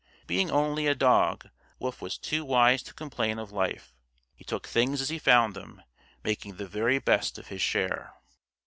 Being only a dog, Wolf was too wise to complain of life. He took things as he found them, making the very best of his share.